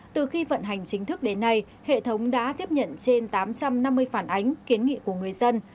từ khi vận hành chính thức đến nay hệ thống đã tiếp nhận trên tám trăm năm mươi phản ánh kiến nghị của người dân